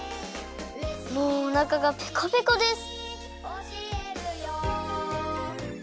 もうおなかがペコペコです。